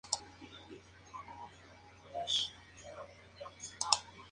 Abraham Geiger postula una conexión entre los caraítas como un remanente de los saduceos.